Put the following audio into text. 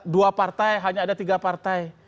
dua partai hanya ada tiga partai